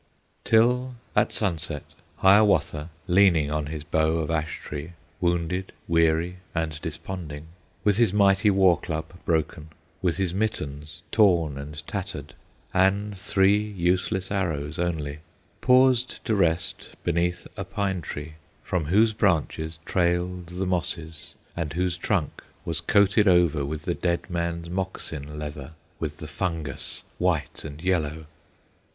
Till at sunset Hiawatha, Leaning on his bow of ash tree, Wounded, weary, and desponding, With his mighty war club broken, With his mittens torn and tattered, And three useless arrows only, Paused to rest beneath a pine tree, From whose branches trailed the mosses, And whose trunk was coated over With the Dead man's Moccasin leather, With the fungus white and yellow.